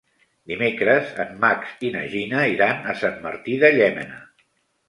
Dimecres en Max i na Gina iran a Sant Martí de Llémena.